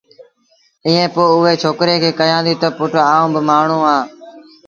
ائيٚݩ پو اُئي ڇوڪري کي ڪيآݩدي تا پُٽ آئوݩ اُ مآڻهوٚٚݩ اَهآݩ